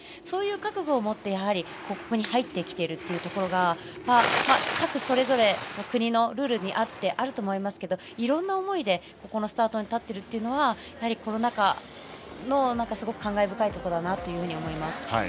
そういう覚悟を持ってここに入ってきているところがそれぞれの国のルールがあると思いますけれどもいろいろな思いでここのスタートに立っているのはコロナ禍の感慨深いところだなと思います。